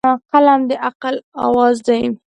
قلم د عقل اواز دی